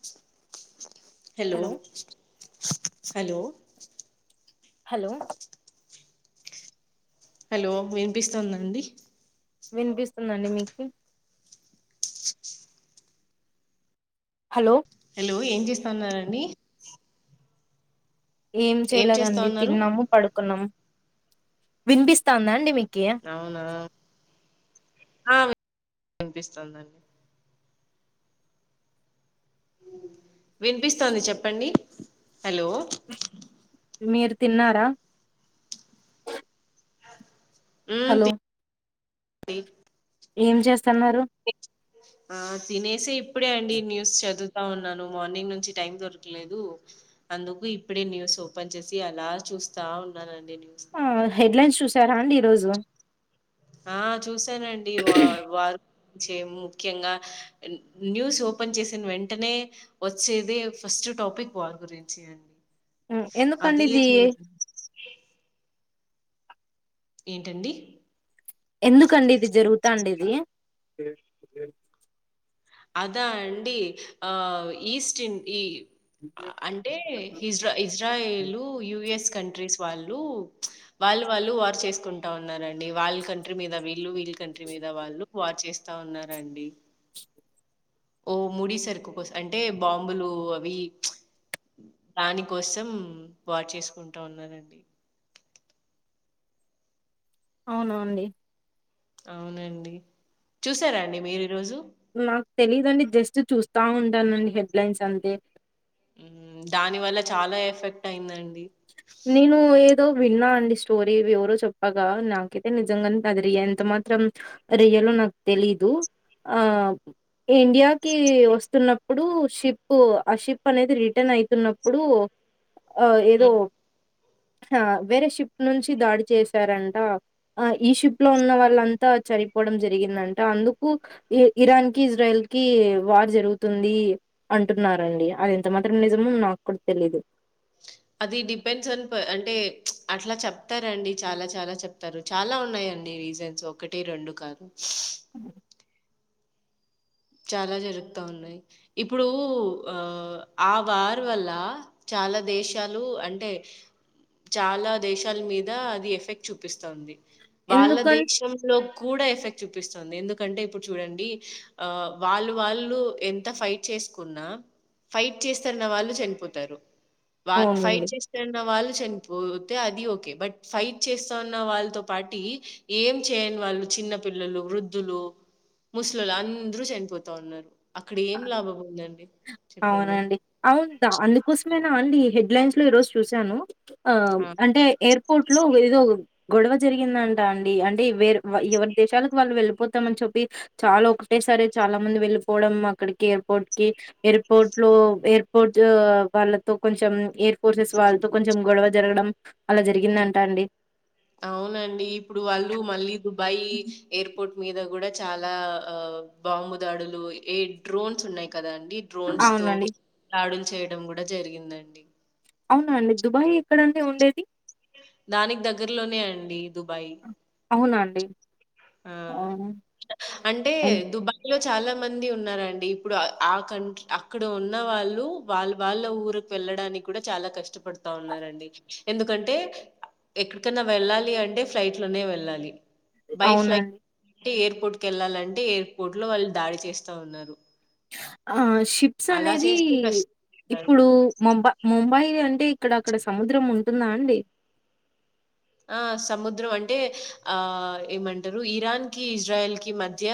[inaudible] Hello hello hello hello వినిపిస్తుందండి వినిపిస్తుందండి మీకు హలో హలో ఏం చేస్తా ఉన్నారండి ఏం చేస్తా చేయలేదండి ఉన్నారు తిన్నాము పడుకున్నాము వినిపిస్తాందా అండి అవునా వినిపిస్తుందండి వినిపిస్తోంది చెప్పండి హలో మీరు తిన్నారా ఆ హలో సయి ఏం చేస్త ఆ తినేస ఇప్పు ఇప్పుడే అండి న్యూస్ చదువుతా ఉన్నాను మార్నింగ్ నుంచి టైం దొరకలేదు అందుకు ఇప్పుడే న్యూస్ ఓపెన్ చేసి అలా చూస్తా ఉన్నానండి న్యూస్ ని ఆ హెడ్లైన్స్ చూ చరండి రోజు ఆ చూసానండి వా వారు ముఖ్యంగా న్యూస్ ఓపెన్ చేసిన వెంటనే వచ్చేది ఫస్ట్ టాపిక్ వార్ గురించి అండి ఎందు కండి అది ఇది అసలు ఏంటండి ఎందుకండి ఇది జరుగుతాండేది అదా అండి ఆ ఈస్ట్ం అంటే ఇజ ఇజ్రాయలు యుఎస్ కంట్రీస్ వాళ్ళు వాళ్ళు వాళ్ళు వార్ చేసుకుంటా ఉన్నారండి వాళ్ళ కంట్రీ మీద వీళ్ళు వీళ్ళ కంట్రీ మీద వాళ్ళు వార్ చేస్తా ఉన్నారండి ఓ ముడి సరుకు కోసం అంటే బాంబులు అవి దాని కోసం వార్ చేసుకుంటా ఉన్నారండి అవున అండి అవునండి చూసారా అండి మీరు ఈ రోజు నాకు తెలీదండి జస్ట్ చూస్తా ఉంటానండి హెడ్లైన్స్ అంతే దాని వల్ల చాలా ఎఫెక్ట్ అయిందండి నేను ఏదో విన్నా అండి స్టోరీ ఇది ఎవరో చెప్పగా నాకైతే నిజంగానే అది ఎంత మాత్రం రియలో నాకు తెలీదు ఆ ఇండియాకి వస్తున్నప్పుడు షిప్ ఆ షిప్ అనేది రిటర్న్ అయితున్నప్పుడు ఆ ఏదో హ్మ్. ఆ వేరే షిప్ నుంచి దాడి చేశారంట ఆ ఈ షిప్ లో ఉన్న వాళ్ళంతా చనిపోవడం జరిగిందంట అందుకు ఇరాన్ కి ఇజ్రాయల్ కి వార్ జరుగుతుంది అంటున్నారండి. అది ఎంత మాత్రం నిజమో నాకు కూడా తెలీదు అది డిపెండ్స్ ఆన్ ప అంటే అట్లా చెప్తారండి చాలా చాలా చెప్తారు చాలా ఉన్నాయండి రీజన్స్ ఒకటి రెండు కాదు ఉ చాలా జరుగుతా ఉన్నాయి ఇప్పుడు ఆ ఆ వార్ వల్ల చాలా దేశాలు అంటే చాలా దేశాల మీద అది ఎఫెక్ట్ చూపిస్తంది వాళ్ళ ఎందుకన్ దేశం లో కూడా ఎఫెక్ట్ చూపిస్తుంది ఎందుకంటే ఇప్పుడు చూడండి ఆ వాళ్ళు వాళ్ళు ఎంత ఫైట్ చేసుకున్నా ఫైట్ చేస్తారన్న వాళ్ళు చనిపోతారు వా ఫైట్ అవునండి. చేస్తాన్న వాళ్ళు చనిపో అది ఓకే బట్ ఫైట్ చేస్తా అన్న వాళ్ళతో పాటి ఏం చేయని వాళ్ళు చిన్న పిల్లలు వృద్ధులు ముస్లోలు అం అందరూ చనిపోతా ఉన్నారు అక్కడ ఏం లాభం ఉందండి చెప్పండి? అవునండి అవును అందుకోసం ేనా అండి ఈ హెడ్ లైన్స్ లో ఈరోజు చూశాను ఆ అంటే ఎయిర్ పోర్ట్ లో ఏదో గొడవ జరిగిందంట అండి అంటే వేరు ఎవరి దేశాలకు వాళ్ళు వెళ్లిిపోతామ అని చెప్పి చాలా ఒకటే సారి చాలా మంది వెళ్ళిపోవడం అక్కడికి ఎయిర్పోర్ట్ కి ఎర్ పోర్ట్ లో ఎయిర్పోర్ట్ వాళ్ళతో కొంచెం ఎయిర్ ఫోర్సెస్ వాళ్ళతో కొంచెం గొడవ జరగడం అలా జరిగిందంట అండి అవునండి ఇప్పుడు వాళ్ళు మళ్ళీ దుబాయ్ ఎయిర్పోర్ట్ మీద కూడా చాలా ఆ బాంబు దాడులు ఏ డ్రోన్స్ ఉన్నాయి కదా డ్రోన్స్ తో అవునండి. దాడులు చేయడం కూడా జరిగింది ఉందండి అవునా అండి దుబాయ్ ఎక్కడండి ఉండేది దానికి దగ్గరలోనే అండి దుబాయ్ అవునండి ఆ అంటే దుబాయ్లో చాలా మంది ఉన్నరండి ఇప్పుడు ఆ కంట్రీ అక్కడ ఉన్న వాళ్ళు వాళ్ళ వాళ్ళ ఊరుకి వెళ్ళడానికూడా చాలా కష్టపడుతా ఉన్నారండి ఎందుకంటే ఎక్కడికన్నా వెళ్ళాలి అంటే ఫ్లైట్ లోనే వెళ్ళాలి బై ఫ్లైట్ అవునండి అంటే ఎయిర్పోర్ట్ కి వెళ్ళాలంటే ఎయిర్పోర్ట్ లో వాళ్ళు దాడి చేస్తా ఉన్నారు హాయ్ షిప్స్ అలా అనేది చేస్తే కష్టం కదా! ఇప్పుడు ముంబ ముంబై ఇద అంటే ఇక్కడ అక్కడ సముద్రం ఉంటుందా అండి ఆ సముద్రం అంటే ఆ ఏమంటరు ఇరాన్కి ఇజ్రాయల్ కి మధ్య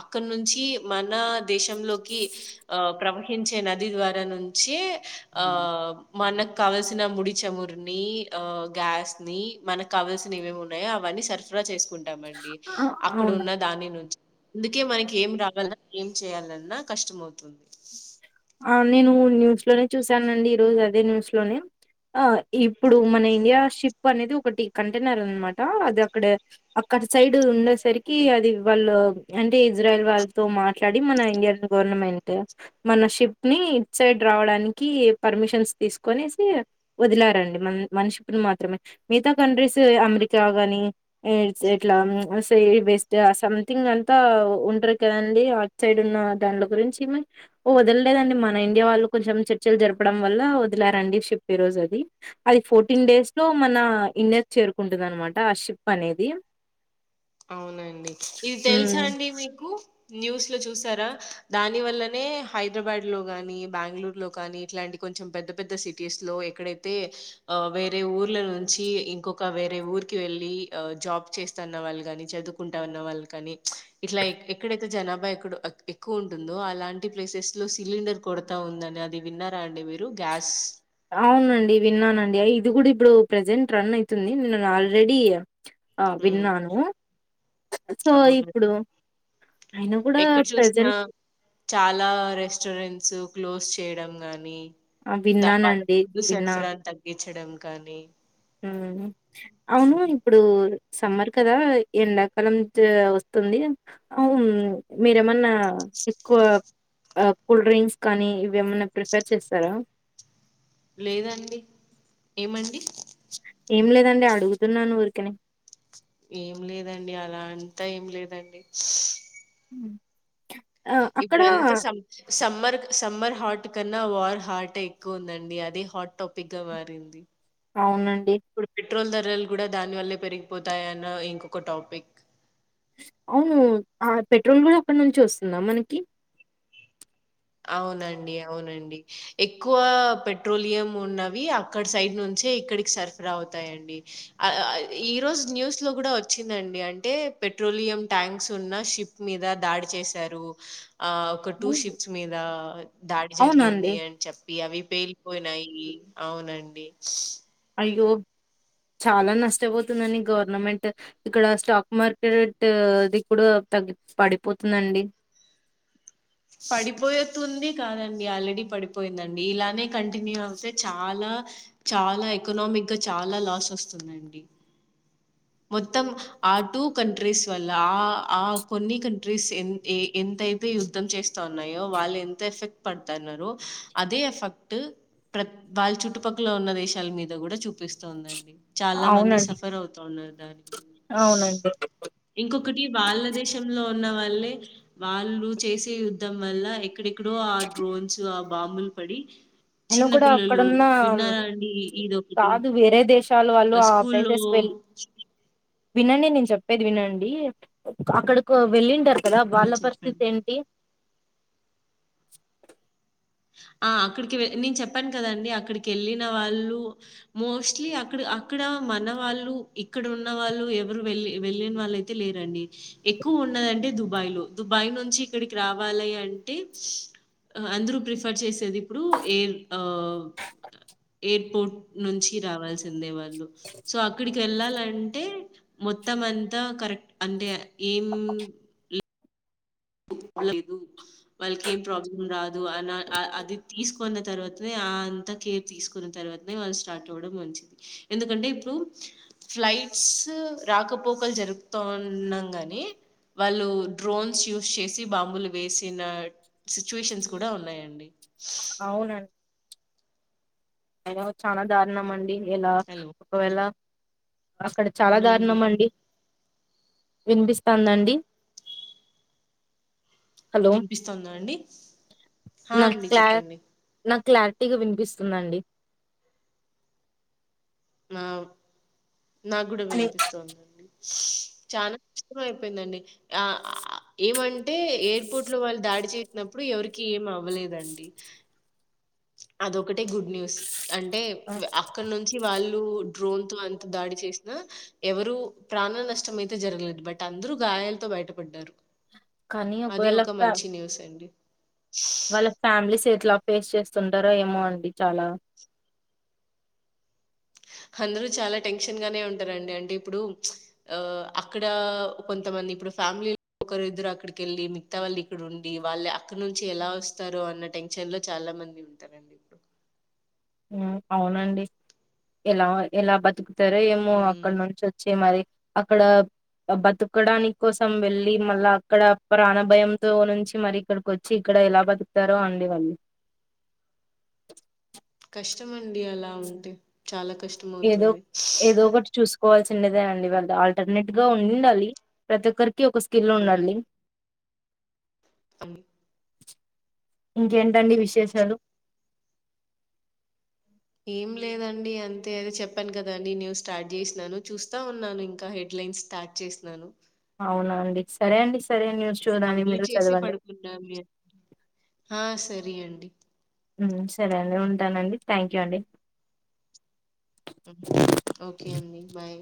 అక్కడ నుంచి మన మనా దేశంలోకి ప్ర కించె నది ద్వారా నుంచి ఆ మనక్ కావలసిన ముడి చమురుని ఆ గ్యాస్ ని మనక్కావల్సిన ఏమేమి ఉన్నాయో అవన్నీ సరఫరా చేసుకుంటా ఉండమండి ఆ! అవునా? అక్కడున్న దాని నుంచి అందుకే మనకి ఏం రావాలన్న ఏం చేయాలన్నా కష్టంమవుతుంది ఆ నేను న్యూస్ లోనే చూసానండి ఈ రోజు అదే న్యూస్ లోనే ఆ ఇప్పుడు మన ఇండియా షిప్ అనేది ఒకటి కంటెనర్ ఉంది మాట అది అక్కడ అక్కడ సైడ్ ఉండేసరికి అది వాళ్ళు అంటే ఇజ్రాయల్ వాళ్ళతో మాట్లాడి మన ఇండియన్ గవర్నమెంట్ మన టిప్ ని ఇట్ సైడ్ రావడానికి పర్మిషన్స్ తీసుకోనేసి వదిలారండి మ మన షిప్ మాత్రమే మిగతా కంట్రీస్ అమెరికా గానిలా బస్ట్ సంథింగ్ అంతా ఉంటారు కదండి అట్ సైడ్ ఉన్న దాంట్లో గురించి వ ఏం లేదండి మన ఇండియా వాళ్ళు కొంచెం చర్చలు జరపడం వల్ల వదిలారండి షిప్ ఈ రోజు అది అది ఫోర్టీన్ డేస్ లో మన ఇండియా చేరుకుంటుదనమాట ఆ షిప్ అనేది అవునండి ఇది తెలుసా హ్మ్. అండి మీకు న్యూస్ లో చూసారా దాని వల్లనే హైదరాబాద్ లో గాని బ్యాంగ్లూర్ కానీ ఇట్లాంటి కొంచెం పెద్ద పెద్ద సిటీస్ లో ఎక్కడైతే ఆ వేరే ఊర్ల నుంచి ఇంకొక వేరే ఊర్కి వెళ్ళి ఆ జాబ్ చేస్తన్న వాళ్ళు గని చదువుకుంటా ఉన్న వాళ్ళ కానీ ఇట్లా ఎక్కడైతే జనాభా ఎక్కడ ఎక్కువ ఉంటుందో అలాంటి ప్లేసెస్ లో సిలిండర్ కొడతా ఉందని అది విన్నారా అండి మీరు గ్యాస్ అవునండి విన్నానండి అయిది గూడ ఇప్పుడు ప్రజెంట్ రన్ అయితుంది నేన్ ఆల్రెడీ అ ఉమ్ విన్నాను సో ఇప్పుడు ఆయన గూడా ఎక్కడ్చూసిన ప్రెజెంట్ చాలా రెస్టారెంట్స్ క్లోజ్ చేయడం గానీ ఆ! దబాడ విన్నానండి. ఫుడ్ సరఫరా అంటారు దీన్ని ణచ్చడం కానీ ఉమ్ అవును ఉమ్, ఇప్పుడు సమ్మర్ కదా ఎండాకాలం వస్తుంది అవును మీరేమన్నా అ ఎక్కువ అ కూల్ డ్రింక్స్ కానీ ఇవి ఏమన్న ప్రిపేర్ చేస్తరా లేదండి ఎమండి ఏం లేదండి అడుగుతున్నాను ఊర్కనె ఏం లేదండి అలా అంత ఏం లేదండి ఉమ్ ఛ ఇప్పుడంతా సం సం సమ్మర్ సమ్మర్ హాట్ కన్న వార్ హాటె ఎక్కువ ఉందండి అది హాట్ టాపిక్ గా మారింది అవునండి ఇప్పుడు పెట్రోల్ ధరలు కూడా దాని వల్లే పెరిగిపోతాయన్న ఇంకొక టాపిక్ అవును ఆ పెట్రోల్ కూడా అక్కడ నుంచి వస్తుందా మనకి అవునండి అవునండి ఎక్కువ పెట్రోలియం ఉన్నవి అక్కడ సైడ్ నుంచే ఇక్కడికి సరఫరా అవుతాయంండి ఈరోోజు న్యూస్ లో కూడా వచ్చిందండి అంటే పెట్రోలియం ట్యాంక్స్ ఉన్నా షిప్ మీద దాడి చేసారు ఆ ఒక టూ అవును షిఫ మీద దాడి జరిగింది అవునండి అని చెప్పి అవి పేలిపోయి నాయి అవునండి అయ్యో చాలా నష్టపోతుందండి గవర్నమెంట్ ఇక్కడ స్టాక్ మార్కెట్ ఇది కూడా తగ పడిపోతుందండి పడిపోయితుంది కాదండి ఆల్రెడీ పడిపోయిందండి ఇలానే కంటిన్యూ అవుతే చాలా చాలా ఎకనామిక్ గా చాలా లాస్ వస్తుందండి మొత్తం ఆ టూ కంట్రీస్ వల్ల ఆ ఆ కొన్ని కంట్రీస్ ఎ ఎంతయితే యుద్ధం చేస్తా ఉన్నాయో వాళ్ళు ఎంత ఎఫెక్ట్ పడుతున్నారో అదే ఎఫెక్ట్ ప్ర వాళ్ళ చుట్టుపక్కల ఉన్న దేశాల మీద కూడా చూపిస్తుందండి చాలా మంది అవునండి సఫర్ అవుతున్నారు అవునండి ఇంకొకటి వాళ్ల దేశంలో ఉన్న వాళ్ళలే వాళ్ళు చేసే యుద్ధం వల్ల అక్కడ ఎక్కడో ఆ డ్రోన్స్ బాంబుల్ పడి నేను చిన్న కూడా పిల్లలు అక్కడున్న విన్నారండీ ఇదొకటి చాలు వాళ్ళు ఆహ్, ఆ స్కూల్లో ప్లేసెస్కి వెళ్ళి వినండి నేను చెప్పేది వినండి అక్కడికి వెళ్ళింటారు కదా ఆ! వాళ్ళ పరిస్థితి చెప్పండి. ఏంటి ఆ అక్కడికి వె నేను చెప్పాను కదండి అక్కడికి వెళ్ళిన వాళ్ళు మోస్ట్లీ అక్కడ అక్కడ మన వాళ్ళు ఇక్కడ ఉన్న వాళ్ళు ఎవరు వెళ్ వెళ్ళిన వాళ్ళు అయితే లేరండి ఎక్కువ ఉన్నదంటే దుబాయ్ లో దుబాయ్ నుంచి ఇక్కడికి రావాలి అంటే అందరూ ప్రిఫ రిఫర్ చేసేది ఇప్పుడు ఎయిర్ ఎయిర్పోర్ట్ నుంచి రావాల్సిందే వాళ సో అక్కడికి వెళ్ళాలంటే మొత్తంంతా కరెక్ట్ అంటే ఏం బ్ లేదు వాళ్ళకి ఏం ప్రాబ్లం రాదు అని అది తీసుకున్న తర్వాతనే అ అంతా కేర్ తీసుకున్న తర్వాతనే వాళ్ళు స్టార్ట్ అవ్వడం మంచిది ఎందుకంటే ఇప్పుడు ఫ్లైట్స్ రాకపోకలు జరుగుత ఉండగానే వాళ్ళు డ్రోన్స్ చేసి బాంబులు వేసిన సిచ్యువేషన్స్ కూడా ఉన్నాయండి అవునండి అ చానా దారుణమండి ఎలా హలో ఒకవళ అక్కడ చాలా అవునండి దారుణం అండి వినిపిస్తాందండి హలో వినిపిస్తుతోందా అండి హ నాకు అండి క్లా చెప్పండి నాకు క్లారిటీగా వినిపిస్తుందండి నావు నా కూడా కానీ వినిపిస్తుందండి చాలా కష్టం అయిపోయిందండి ఆ ఏమంటే ఎయిర్పోర్ట్ లో వాళ్ళు దాడి చేసినప్పుడు ఎవరికి ఏమి అవ్వలేదండి అది ఒక్కటే గుడ్ న్యూస్ అంటే ఆ! అక్కడ నుంచి వాళ్ళు ను డ్రోన్ తో అంత దాడి చేసినా ఎవరు ప్రాణ నష్టం అయితే జరగలేదు బట్ అందరు గాయాలతో బయటపడ్డారు కానీ అది ఒకవేళ ఒక ఫ్యా మంచి న్యూస్ అండి వాళ్ళ ఫ్యామిలీస్ ఎట్లా ఫేస్ చేస్తుంటారో ఏమో అండి చాలా అందరూ చాలా టెన్షన్ గానే ఉంటారండి అంటే ఇప్పుడు ఆ అక్కడ కొంతమంది ఇప్పుడు ఫ్యామిలీ ఒకరు ఇద్దరు అక్కడికెళ్ళి మిగతా వాళ్ళు ఇక్కడ ఉండి వాళ్ళు అక్కడ నుంచి ఎలా వస్తారు అన్న టెన్షన్ లో చాలా మంది ఉంటారండి ఇప్పుడు ఆ అవునండి ఎలా ఎలా బతుకు తారో ఏమో అక్కడ హ్మ్. నుంచి వచ్చి మరి అక్కడ బతుకడానికి కోసం వెళ్ళి మళ్ళా అక్కడ ప్రాణభయంతో నుంచి మరి ఇక్కడికి వచ్చి ఇక్కడ ఎలా బతుకుతారో అండి వాళ్ళు కష్టం అండి అలా ఉంటే చాలాక్ ఏదో ఏదో ఒకటి చూస్ కోవాల్సిండేదే అండి వాళ్ళ ఆల్టర్నేట్ గా ఉండాలి ప్రతి ఒక్కరికి కి ఒక స్కిల్ ఉండాలడి అమ్ ఇంకేంటండి విశేషాలు ఏం లేదండి అంతే అదే చెప్పాను కదాండి న్యూ స్టార్ట్ చేసినాను చూస్తా ఉన్నాను ఇంకా హెడ్లైన్స్ స్టార్ట్ చేసినాను అవునా అండి సరే అండిస్ కంప్లీట్ చేసి పడుకున్నామ్ లే హ సరే రి అండి ఉ సరే అండి ఉంటానండి థ్యాంక్ యూ అండి ఉ ఓకే అండి బాయ్